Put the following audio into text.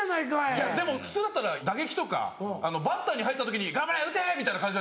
いやでも普通だったら打撃とかバッターに入った時に「頑張れ打て」みたいな感じ。